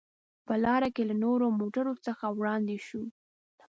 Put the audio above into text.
په لار کې له نورو موټرو څخه وړاندې شوو.